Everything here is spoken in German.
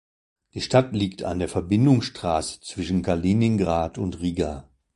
Die Stadt liegt an der Verbindungsstraße zwischen Kaliningrad und Riga.